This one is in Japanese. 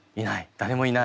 誰もいない。